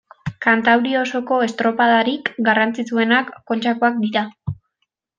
Kantauri osoko estropadarik garrantzitsuenak Kontxakoak dira.